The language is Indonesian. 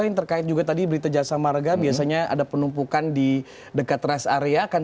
yang terkait juga tadi berita jasa marga biasanya ada penumpukan di dekat rest area kan